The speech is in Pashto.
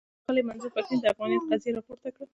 ښاغلي منظور پښتين د افغانيت قضيه راپورته کړه.